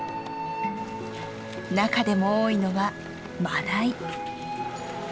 中でも多いのはマダイ。